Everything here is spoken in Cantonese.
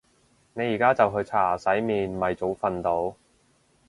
你而家就去刷牙洗面咪早瞓到